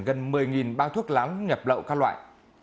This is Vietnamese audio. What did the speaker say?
gần một mươi bao thuốc lá nhập lậu các loại